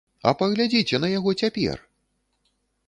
А паглядзіце на яго цяпер?